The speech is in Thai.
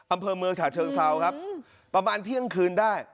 อำเภอเมืองฉะเชิงเซาครับประมาณเที่ยงคืนได้